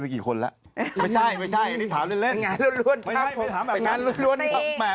พลิกต๊อกเต็มเสนอหมดเลยพลิกต๊อกเต็มเสนอหมดเลย